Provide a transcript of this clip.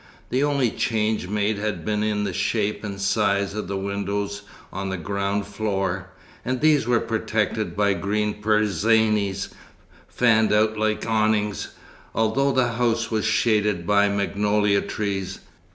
The only change made had been in the shape and size of the windows on the ground floor; and these were protected by green persiennes, fanned out like awnings, although the house was shaded by magnolia trees.